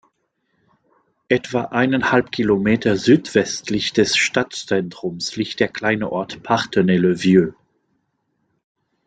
Etwa eineinhalb Kilometer südwestlich des Stadtzentrums liegt der kleine Ort Parthenay-le-Vieux.